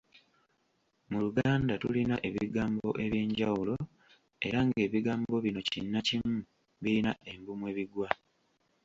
Mu Luganda tulina ebigambo eby'enjawulo era ng'ebigambo bino kinnakimu birina embu mwe bigwa